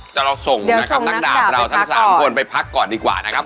แต่เราส่งนะครับนักดาบเราทั้ง๓คนไปพักก่อนดีกว่านะครับ